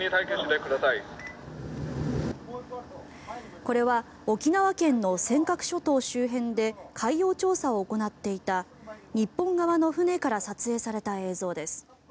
これは沖縄県の尖閣諸島周辺で海洋調査を行っていた日本側の船から撮影された映像です。